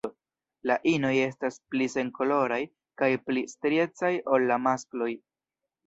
La inoj estas pli senkoloraj kaj pli striecaj ol la maskloj.